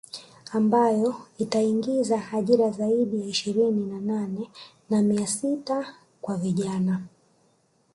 Ambayo itaingiza ajira zaidi ya ishirini na nne na mia sita kwa vijana